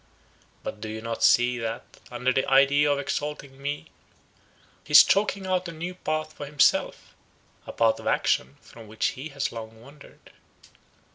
But do you not see, that, under the idea of exalting me, he is chalking out a new path for himself; a path of action from which he has long wandered?